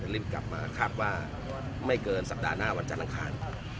รีบกลับมาคาดว่าไม่เกินสัปดาห์หน้าวันจันทร์อังคาร